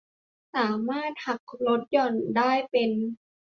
สามารถหักลดหย่อนได้เป็น